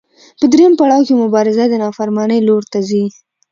په درېیم پړاو کې مبارزه د نافرمانۍ لور ته ځي.